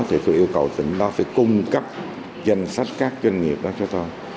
thì tôi yêu cầu tỉnh đó phải cung cấp danh sách các doanh nghiệp đó cho con